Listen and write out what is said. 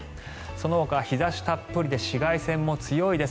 そのほか日差したっぷりで紫外線も強いです。